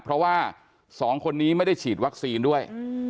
เพราะว่า๒คนนี้ไม่ได้ฉีดวัคซีนด้วย